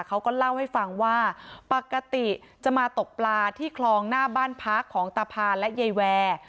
เขาก็เล่าให้ฟังว่าปกติจะมาตกปลาที่คลองหน้าบ้านพักของตาพานและยายแวร์